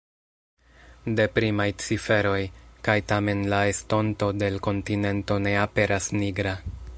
Deprimaj ciferoj, kaj tamen la estonto de l’ kontinento ne aperas nigra.